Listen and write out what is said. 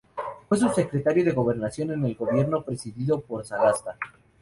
Fue Subsecretario de Gobernación en el gobierno presidido por Sagasta.